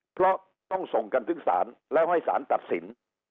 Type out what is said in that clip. เพราะต้องส่งกันถึงศาลแล้วให้สารตัดสิน